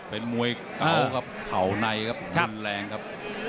เป็นมวยเก่าครับเข่าในครับรุนแรงครับ